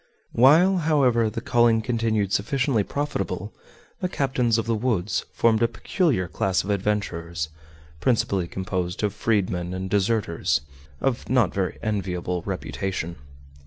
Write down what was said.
While, however, the calling continued sufficiently profitable, the captains of the woods formed a peculiar class of adventurers, principally composed of freedmen and deserters of not very enviable reputation.